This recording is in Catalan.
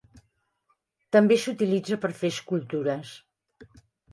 També s'utilitza per fer escultures.